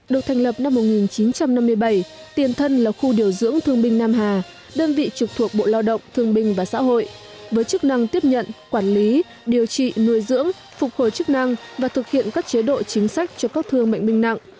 được thành lập năm một nghìn chín trăm năm mươi bảy tiền thân là khu điều dưỡng thương binh nam hà đơn vị trực thuộc bộ lao động thương binh và xã hội với chức năng tiếp nhận quản lý điều trị nuôi dưỡng phục hồi chức năng và thực hiện các chế độ chính sách cho các thương bệnh binh nặng